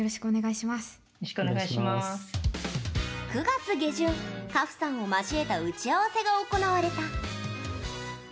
９月下旬、花譜さんを交えた打ち合わせが行われた。